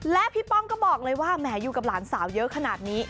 และพี่ป้องก็บอกเลยว่าแหมอยู่กับหลานสาวเยอะขนาดนี้